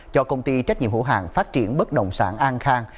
cho công ty trách nhiệm hữu hàng phát triển bất động sản an khang